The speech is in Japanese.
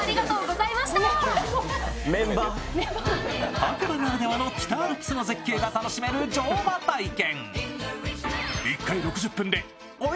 メンバー白馬ならではの北アルプスの絶景が楽しめる乗馬体験。